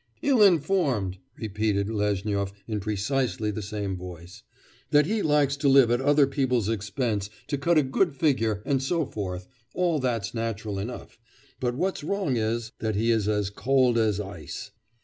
'Ill informed!' repeated Lezhnyov in precisely the same voice, 'that he likes to live at other people's expense, to cut a good figure, and so forth all that's natural enough. But what's wrong is, that he is as cold as ice.